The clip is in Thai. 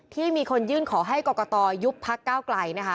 ที่มีคนยื่นขอให้กรกตยุบภักดิ์ก้าวไกล